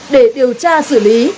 để điều tra xử lý